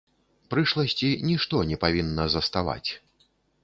Прышласці нішто не павінна заставаць.